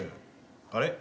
あれ？